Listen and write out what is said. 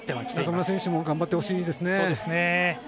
中村選手も頑張ってほしいですね。